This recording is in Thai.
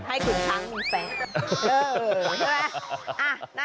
ให้ขุนช้างมีแฟน